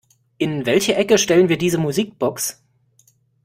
In welche Ecke stellen wir diese Musikbox?